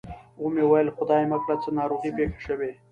و مې ویل خدای مه کړه څه ناروغي پېښه شوې.